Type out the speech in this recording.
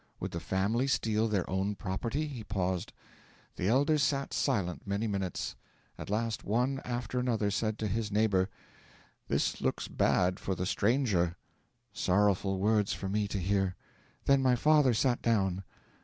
"Would the family steal their own property?" He paused. The elders sat silent many minutes; at last, one after another said to his neighbour, "This looks bad for the stranger" sorrowful words for me to hear. Then my father sat down.